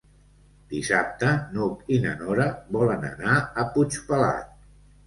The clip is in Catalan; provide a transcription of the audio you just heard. Dissabte n'Hug i na Nora volen anar a Puigpelat.